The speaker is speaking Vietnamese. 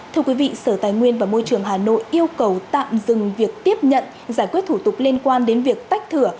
thưa quý vị sở tài nguyên và môi trường hà nội yêu cầu tạm dừng việc tiếp nhận giải quyết thủ tục liên quan đến việc tách thửa